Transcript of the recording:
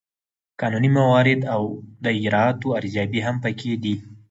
قانوني موارد او د اجرااتو ارزیابي هم پکې دي.